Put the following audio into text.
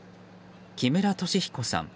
木村敏彦さん